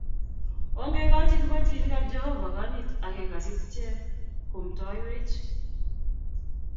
Ongekochi kiboitink ab Jehovah konyit ak kekasit ichek kwomtowech